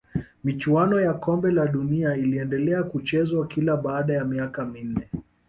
michuano ya kombe la dunia iliendelea kuchezwa kila baada ya miaka minne